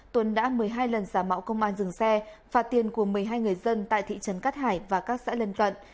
tuần đã một mươi hai lần giả mạo công an dừng xe phạt tiền của một mươi hai người dân tại thị trấn cát hải và các xã lần cận